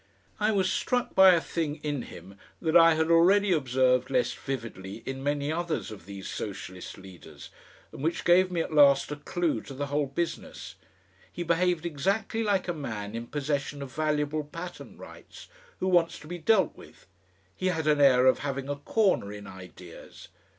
I was struck by a thing in him that I had already observed less vividly in many others of these Socialist leaders, and which gave me at last a clue to the whole business. He behaved exactly like a man in possession of valuable patent rights, who wants to be dealt with. He had an air of having a corner in ideas.